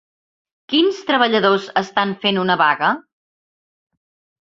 Quins treballadors estan fent una vaga?